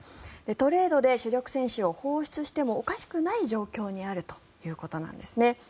トレードで主力選手を放出してもおかしくない状況にあるということなんですね。